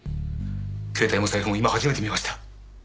携帯も財布も今初めて見ました。